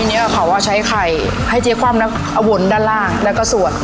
อันนี้เขาใช้ไข่ให้เจ๊คว่ำแล้วเอาวนด้านล่างแล้วก็สวด